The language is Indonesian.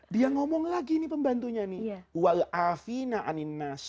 dia ngomong lagi ini pembantunya ini